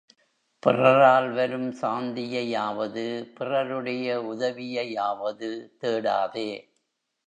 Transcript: பிறரால் வரும் சாந்தியையாவது, பிறருடைய உதவியையாவது தேடாதே.